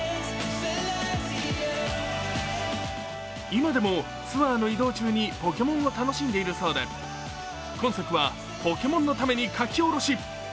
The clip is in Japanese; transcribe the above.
今でもツアーの移動中にポケモンを楽しんでいるそうで、今作はポケモンのために書き下ろし。